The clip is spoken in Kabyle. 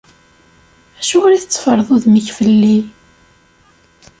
Acuɣer i tteffreḍ udem-ik fell-i?